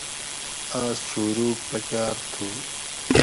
آس چھوروگ پکاۤر تھو